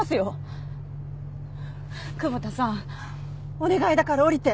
お願いだから降りて！